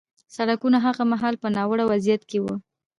سړکونه هغه مهال په ناوړه وضعیت کې وو